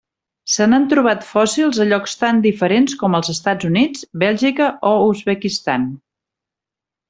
Se n'han trobat fòssils a llocs tan diferents com els Estats Units, Bèlgica o l'Uzbekistan.